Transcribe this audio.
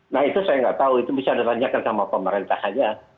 nah itu saya nggak tahu itu bisa ditanyakan sama pemerintah saja